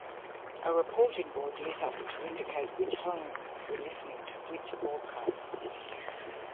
A reporting board lit up to indicate which homes were listening to which broadcasts.